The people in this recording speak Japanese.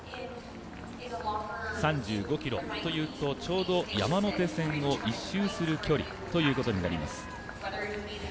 ３５ｋｍというと、ちょうど山手線を１周する距離ということになります